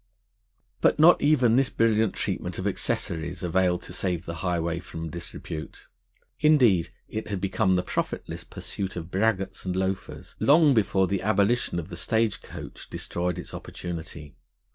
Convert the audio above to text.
But not even this brilliant treatment of accessories availed to save the highway from disrepute; indeed, it had become the profitless pursuit of braggarts and loafers, long before the abolition of the stage coach destroyed its opportunity.